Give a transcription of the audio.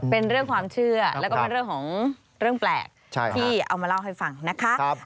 เป็นเรื่องความเชื่อแล้วก็เป็นเรื่องของเรื่องแปลกที่เอามาเล่าให้ฟังนะคะ